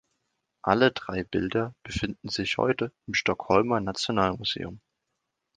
Alle drei Bilder befinden sich heute im Stockholmer Nationalmuseum.